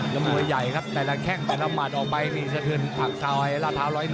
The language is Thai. และมัวใหญ่ครับแต่ละแข้งแต่ละหมัดออกไปมีสะเทินผักท้ายละท้า๑๐๑